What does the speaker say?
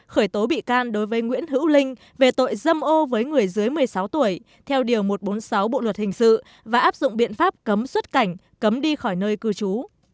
khởi tố bị can đối với nguyễn hữu linh về tội dâm ô với người dưới một mươi sáu tuổi theo điều một trăm bốn mươi sáu bộ luật hình sự và áp dụng biện pháp cấm xuất cảnh cấm đi khỏi nơi cư trú